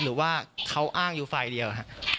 หรือว่าเขาอ้างอยู่ฝ่ายเดียว